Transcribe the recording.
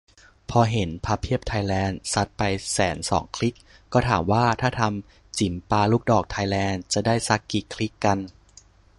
พอเห็น "พับเพียบไทยแลนด์" ซัดไปแสนสองคลิก ก็ถามว่า ถ้าทำ "จิ๋มปาลูกดอกไทยแลนด์" จะได้ซักกี่คลิกกัน ?